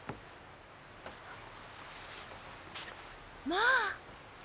まあ！